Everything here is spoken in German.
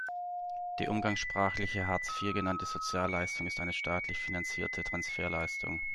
Die umgangssprachlich Hartz vier genannte Sozialleistung ist eine staatlich finanzierte Transferleistung.